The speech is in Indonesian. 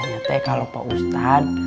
katanya teh kalau pak ustad